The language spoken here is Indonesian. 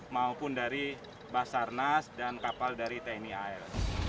maupun dari basarnas dan kapal dari tni al